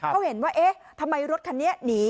เขาเห็นว่าเอ๊ะทำไมรถคันนี้หนี